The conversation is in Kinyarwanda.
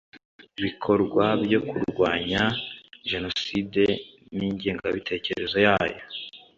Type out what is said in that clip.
Bikorwa byo kurwanya jenoside n ingengabitekerezo yayo